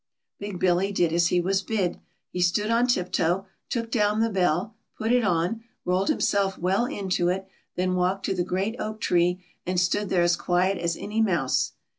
Big Billy did as he was bid. He stood on tiptoe, took down the bell, put it on, rolled himself well into it, then walked to the great oak tree, and stood there as quiet as any mouse.